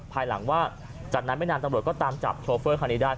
ภายหลังว่าจากนั้นไม่นานตำรวจก็ตามจับโชเฟอร์คันนี้ได้